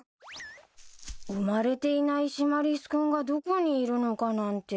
生まれていないシマリス君がどこにいるのかなんて。